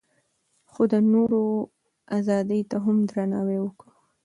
خو د نورو ازادۍ ته هم درناوی وکړو.